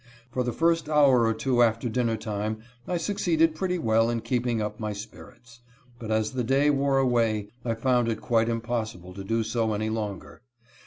For the first hour or two after dinner time, I suc ceeded pretty well in keeping up my spirits ; but as the day wore away, I found it quite impossible to do so any longer.